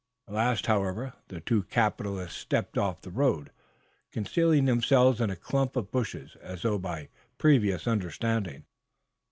At last, however, the two capitalists stepped off the road, concealing themselves in a clump of bushes as though by previous understanding.